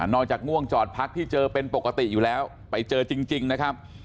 จากง่วงจอดพักที่เจอเป็นปกติอยู่แล้วไปเจอจริงนะครับ